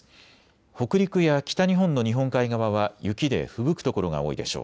北陸や北日本の日本海側は雪でふぶく所が多いでしょう。